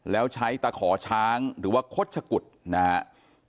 แล้วใช้ตะขอช้างหรือว่าคดชะกุดนะครับ